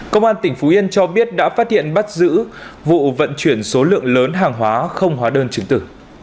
công an tỉnh phú yên cho biết đã phát hiện bắt giữ vụ vận chuyển số lượng lớn hàng hóa không hóa đơn chứng tử